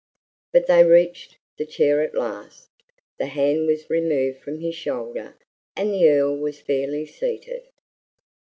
But they reached the chair at last. The hand was removed from his shoulder, and the Earl was fairly seated.